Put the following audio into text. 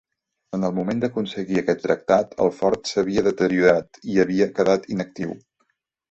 En el moment d'aconseguir aquest tractat, el fort s'havia deteriorat i havia quedat inactiu.